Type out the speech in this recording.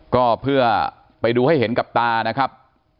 ก็เพื่อไปดูให้เห็นกับตานะครับ